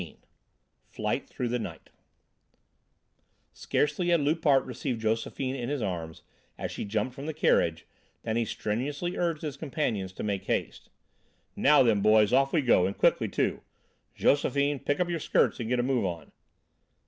XIV FLIGHT THROUGH THE NIGHT Scarcely had Loupart received Josephine in his arms, as she jumped from the carriage, than he strenuously urged his companions to make haste. "Now, then, boys, off we go, and quickly, too! Josephine, pick up your skirts and get a move on!"